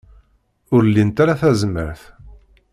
Ur lint ara tazmert.